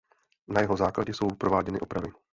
Na jeho základě jsou prováděny opravy.